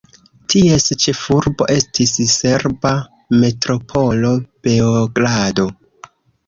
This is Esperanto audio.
Ties ĉefurbo estis serba metropolo Beogrado.